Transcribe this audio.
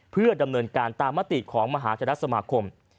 เพื่อดำเนินการตามมติของมหาธรสมาคม